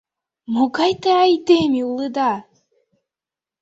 — Могай те айдеме улыда!